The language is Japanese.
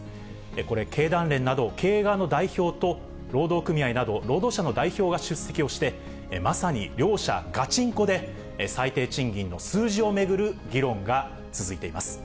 これ、経団連など経営側の代表と、労働組合など労働者の代表が出席して、まさに両者がちんこで、最低賃金の数字を巡る議論が続いています。